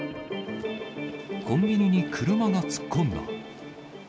コンビニに車が突っ込んだ。